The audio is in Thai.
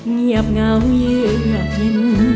เงียบเหงาเหยื่อหิน